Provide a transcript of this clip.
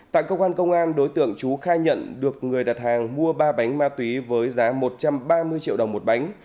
tại cơ quan công an đối tượng chú khai nhận được người đặt hàng mua ba bánh ma túy với giá một trăm ba mươi triệu đồng một bánh